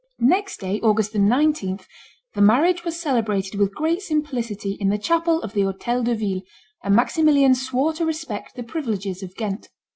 Next day, August 19, the marriage was celebrated with great simplicity in the chapel of the Hotel de Ville; and Maximilian swore to respect the privileges of Ghent.